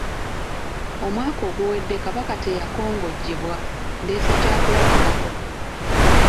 Omwaka oguwedde Kabaka teyakongojjebwa, ndeese kyakulabirako.